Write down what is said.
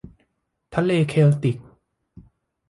ทะเลเคลติก